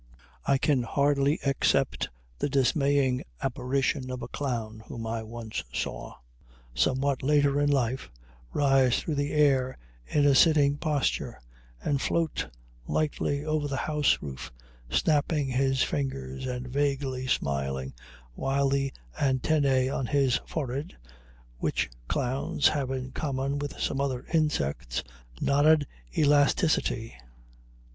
I can hardly except the dismaying apparition of a clown whom I once saw, somewhat later in life, rise through the air in a sitting posture and float lightly over the house roof, snapping his fingers and vaguely smiling, while the antennæ on his forehead, which clowns have in common with some other insects, nodded elasticity.